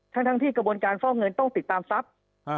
ทั้งที่กระบวนการฟอกเงินต้องติดตามทรัพย์